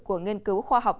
của nghiên cứu khoa học